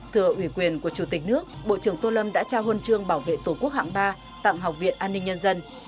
thưa ủy quyền của chủ tịch nước bộ trưởng tô lâm đã trao huân chương bảo vệ tổ quốc hạng ba tặng học viện an ninh nhân dân